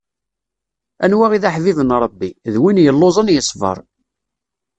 Anwa i d aḥbib n Ṛebbi, d win yelluẓen yesbeṛ.